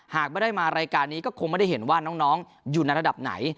หากไม่ได้มารายการนี้ก็คงไม่ได้เห็นว่าน้องอยู่ในระดับไหน